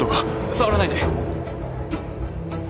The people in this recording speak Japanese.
触らないで。